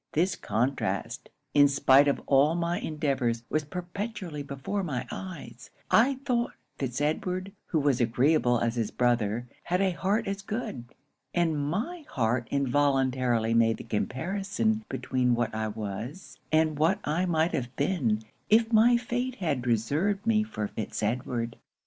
This contrast, in spite of all my endeavours, was perpetually before my eyes I thought Fitz Edward, who was agreeable as his brother, had a heart as good; and my heart involuntarily made the comparison between what I was, and what I might have been, if my fate had reserved me for Fitz Edward.